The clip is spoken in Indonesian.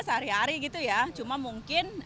sehari hari gitu ya cuma mungkin